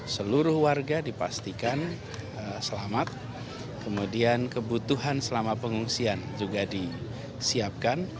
seluruh warga dipastikan selamat kemudian kebutuhan selama pengungsian juga disiapkan